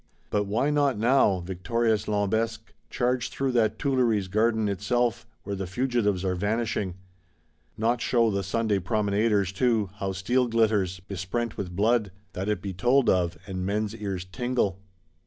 But why not now, victorious Lambesc, charge through that Tuileries Garden itself, where the fugitives are vanishing? Not show the Sunday promenaders too, how steel glitters, besprent with blood; that it be told of, and men's ears tingle?